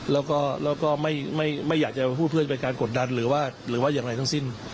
แล้วก็ไม่อยากจะพูดเพื่อนไปการกดดันหรือว่าอย่างไรทั้งสิ้น